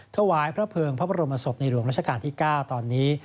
ถวายพระเภิงพระบรมศพในหลวงราชการที่๙ตอนนี้